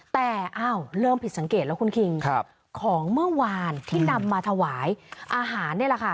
แต่อ้าวเริ่มผิดสังเกตแล้วคุณคิงของเมื่อวานที่นำมาถวายอาหารนี่แหละค่ะ